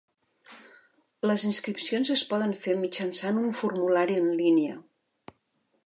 Les inscripcions es poden fer mitjançant un formulari en línia.